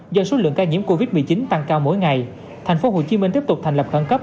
do số lượng ca nhiễm covid một mươi chín tăng cao mỗi ngày thành phố hồ chí minh tiếp tục thành lập khẩn cấp